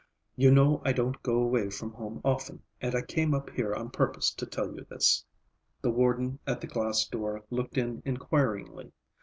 You know I don't go away from home often, and I came up here on purpose to tell you this." The warden at the glass door looked in inquiringly.